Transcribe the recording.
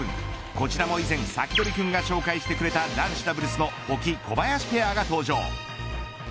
こちらも以前サキドリくんが紹介してくれた男子ダブルスの保木・小林ペアが登場。